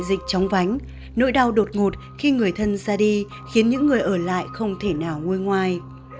dịch chóng vánh nỗi đau đột ngột khi người thân ra đi khiến những người ở lại không thể nào ngôi ngoài